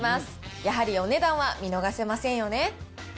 やはりお値段は見逃せませんよね。